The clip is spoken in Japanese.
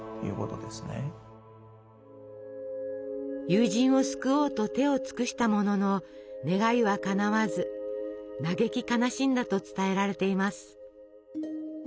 友人を救おうと手を尽くしたものの願いはかなわず嘆き悲しんだと伝えられています。